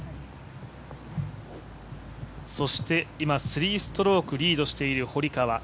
今、３ストロークリードしている堀川。